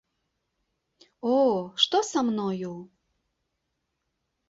О, што са мною?!.